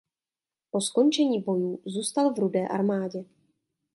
Po skončení bojů zůstal v Rudé armádě.